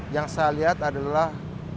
yang saya lihat adalah